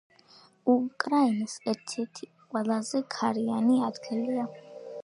უკრაინის ერთ-ერთი ყველაზე ქარიანი ადგილია.